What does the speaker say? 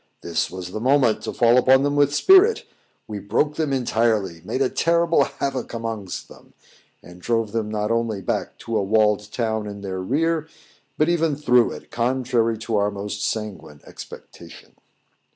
This was the moment to fall upon them with spirit; we broke them entirely made a terrible havoc amongst them, and drove them not only back to a walled town in their rear, but even through it, contrary to our most sanguine expectation.